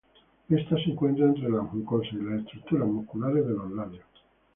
Esta se encuentra entre las mucosas y las estructuras musculares de los labios.